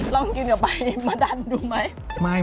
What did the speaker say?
ลองกินก่อนไปมาดันดูไหม